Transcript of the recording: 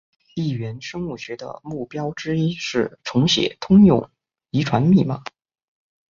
异源生物学的目标之一是重写通用遗传密码。